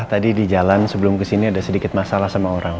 tadi di jalan sebelum kesini ada sedikit masalah sama orang